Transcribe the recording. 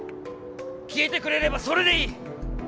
消えてくれればそれでいい